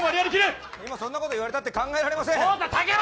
今そんなこと言われたって考えられません。